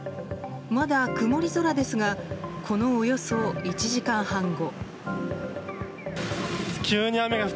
まだ曇り空ですがこのおよそ１時間半後。